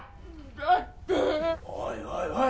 だっておいおいおい！